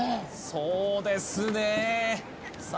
そうですねさあ